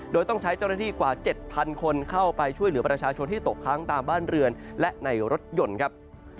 โดยต้องใช้เจ้าหน้าที่กว่า๗๐๐คนเข้าไปช่วยเหลือประชาชนที่ตกค้างตามบ้านเรือนและในรถยนต์ครับ